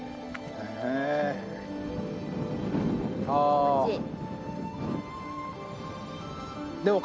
気持ちいい。